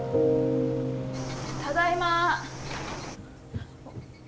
ただいま。